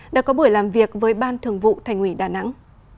đã có buổi làm việc với ban thường vụ thành ủy đà nẵng